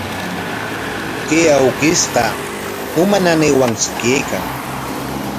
Chay awkishqa uma nanaywanshi kaykan.